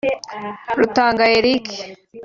Rutanga Eric